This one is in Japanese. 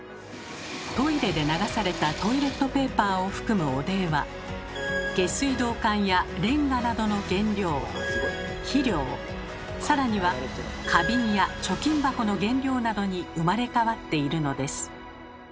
トイレで流されたトイレットペーパーを含む汚泥は下水道管やレンガなどの原料肥料さらには花瓶や貯金箱の原料などに生まれ変わっているのです。